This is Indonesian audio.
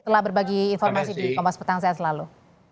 telah berbagi informasi di kompas petang sehat selalu